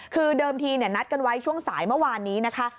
คือเดิมทีนัดกันไว้ช่วงสายเมื่อวานนี้นะคะ